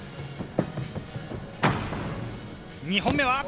２本目は。